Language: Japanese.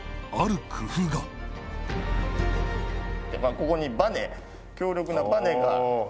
ここにバネ強力なバネが。